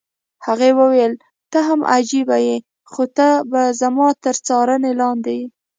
هغې وویل: ته هم عجبه يې، خو ته به زما تر څار لاندې یې.